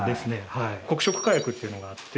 はい黒色火薬っていうのがあって。